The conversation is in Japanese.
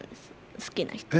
好きな人に。